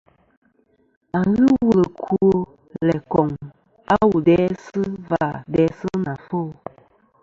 À n-ghɨ wul ɨkwo, læ koŋ a wu dæsɨ vâ dæsɨ nɨ àfo.